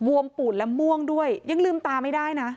วมปูดและม่วงด้วยยังลืมตาไม่ได้นะ